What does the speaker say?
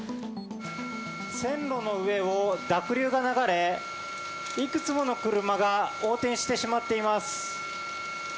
線路の上を濁流が流れ、いくつもの車が横転してしまっています。